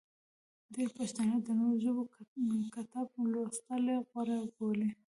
ډېری پښتانه د نورو ژبو کتب لوستل غوره بولي.